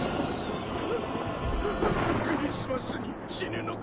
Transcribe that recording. クリスマスに死ぬのか？